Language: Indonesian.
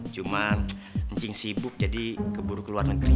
cuman ncing sibuk jadi keburu ke luar negeri